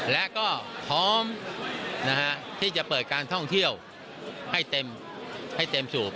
และก็พร้อมที่จะเปิดการท่องเที่ยวให้เต็มให้เต็มสูบ